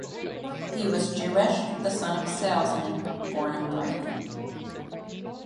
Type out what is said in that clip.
He was Jewish, the son of a salesman, born in Brighton.